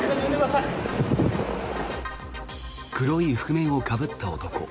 黒い覆面をかぶった男